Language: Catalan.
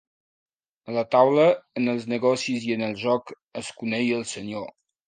A la taula, en els negocis i en el joc, es coneix el senyor.